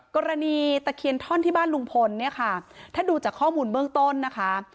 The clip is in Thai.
ตะเคียนท่อนที่บ้านลุงพลเนี่ยค่ะถ้าดูจากข้อมูลเบื้องต้นนะคะ